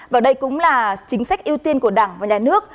và đây cũng là chính sách ưu tiên của đảng và nhà nước